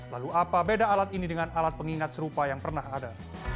lalu apa beda alat ini dengan alat pengingat serupa yang pernah ada